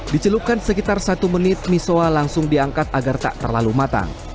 dicelupkan sekitar satu menit misoa langsung diangkat agar tak terlalu matang